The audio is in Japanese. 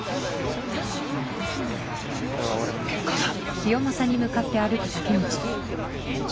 これは俺のケンカだ。